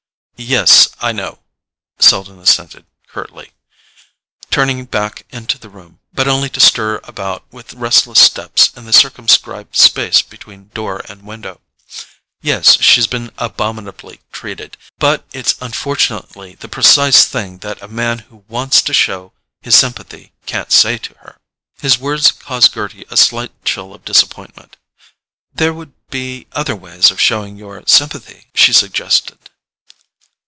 "Yes—I know," Selden assented curtly, turning back into the room, but only to stir about with restless steps in the circumscribed space between door and window. "Yes—she's been abominably treated; but it's unfortunately the precise thing that a man who wants to show his sympathy can't say to her." His words caused Gerty a slight chill of disappointment. "There would be other ways of showing your sympathy," she suggested.